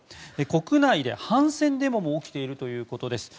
国内で反戦デモも起きているということです。